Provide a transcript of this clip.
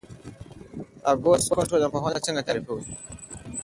اګوست کُنت ټولنپوهنه څنګه تعریفوي؟